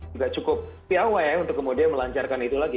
juga cukup piawa ya untuk kemudian melancarkan itu lagi